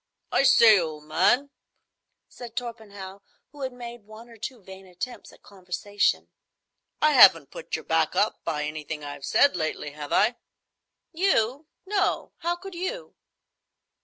"I say, old man," said Torpenhow, who had made one or two vain attempts at conversation, "I haven't put your back up by anything I've said lately, have I?" "You! No. How could you?"